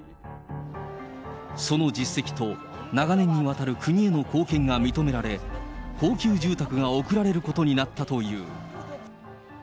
その実績と長年にわたる国への貢献が認められ、高級住宅が贈られることになったという。